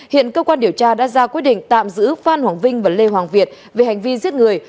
hiện cơ quan điều tra đã ra quyết định tạm giữ phan hoàng vinh và lê hoàng việt về hành vi giết người